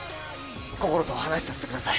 こころと話させてください。